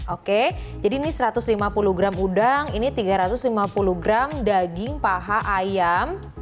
oke jadi ini satu ratus lima puluh gram udang ini tiga ratus lima puluh gram daging paha ayam